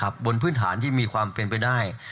บนพื้นฐานที่มีความเป็นไปได้